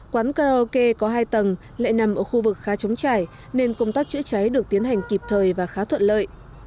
quán karaoke có hai tầng lại nằm ở khu vực khá chống chảy nên công tác chữa cháy được tiến hành kịp thời và khá thuận lợi